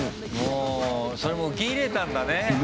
それも受け入れたんだね。